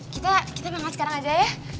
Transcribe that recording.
kita kita bangun sekarang aja ya